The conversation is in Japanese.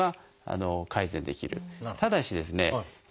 ただしですね